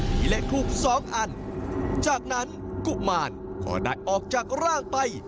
มีเลขทูบสองอันจากนั้นกุมารก็ได้ออกจากร่างไป